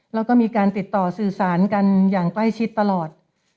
แล้วก็มีการติดต่อสื่อสารกันอย่างใกล้ชิดตลอด